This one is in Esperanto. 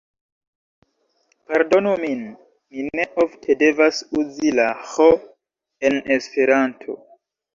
Pardonu min, mi ne ofte devas uzi la ĥ en esperanto.